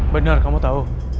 benar kamu tahu